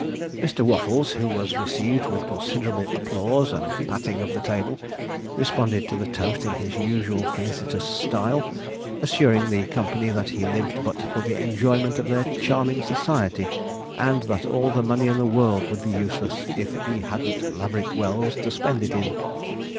Mr. Waffles, who was received with considerable applause, and patting of the table, responded to the toast in his usual felicitous style, assuring the company that he lived but for the enjoyment of their charming society, and that all the money in the world would be useless, if he hadn't Laverick Wells to spend it in.